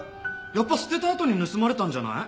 やっぱ捨てたあとに盗まれたんじゃない？